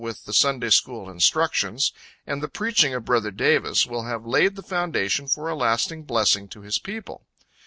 with the Sunday school instructions, and the preaching of brother Davis will have laid the foundation for a lasting blessing to his people.